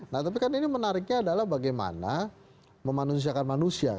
nah tapi kan ini menariknya adalah bagaimana memanusiakan manusia